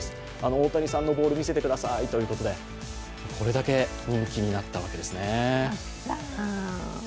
大谷さんのボール見せてくださいということでこれだけ人気になったんですね。